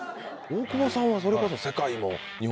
大久保さんはそれこそ。